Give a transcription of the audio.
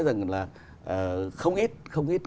rằng là không ít